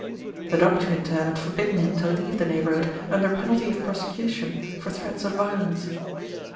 The doctor in turn had forbidden him to leave the neighbourhood under pen alty of prosecution for threats of violence.